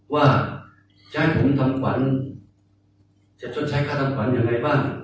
ว่าใช้ผมทำขวัญจะชดใช้ค่าทำขวัญยังไงบ้าง